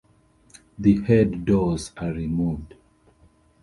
The head doors are removed.